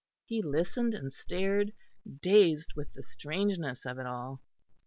He listened and stared, dazed with the strangeness of it all.